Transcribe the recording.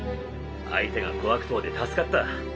相手が小悪党で助かった。